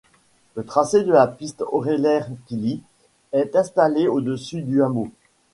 Le tracé de la piste Oreiller-Killy est installé au-dessus du hameau.